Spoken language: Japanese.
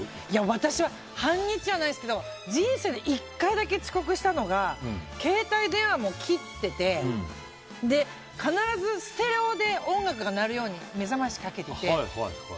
私は半日はないですけど人生で１回だけ遅刻したのが携帯電話も切ってて必ずステレオで音楽が鳴るように目覚ましかけてて。